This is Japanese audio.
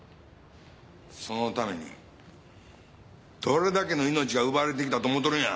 そのためにどれだけの命が奪われてきたと思うとるんや！